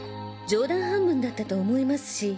冗談半分だったと思いますし。